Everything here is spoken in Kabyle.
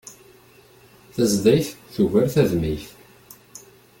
Tazdayt tugar tadmayt